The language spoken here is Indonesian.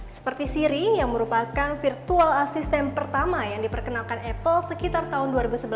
seperti siri yang merupakan virtual assistant pertama yang diperkenalkan apple sekitar tahun dua ribu sebelas